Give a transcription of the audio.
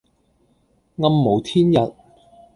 暗無天日